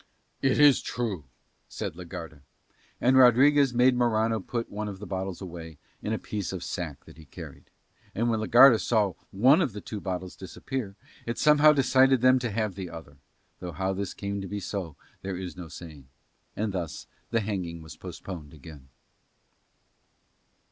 "It is true," said la Garda. And Rodriguez made Morano put one of the bottles away in a piece of a sack that he carried: and when la Garda saw one of the two bottles disappear it somehow decided them to have the other, though how this came to be so there is no saying; and thus the hanging was postponed again.